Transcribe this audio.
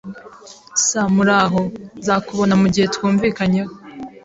[S] Muraho. Nzakubona mugihe twumvikanyeho.